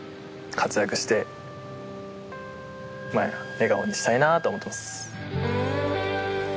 笑顔にしたいなと思ってます。